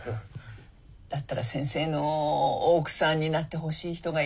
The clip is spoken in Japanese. だったら先生の奥さんになってほしい人がいるんだけど。